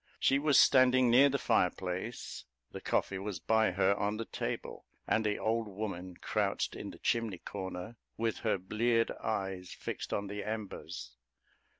She was standing near the fireplace, the coffee was by her, on the table, and the old woman crouched in the chimney corner, with her bleared eyes fixed on the embers.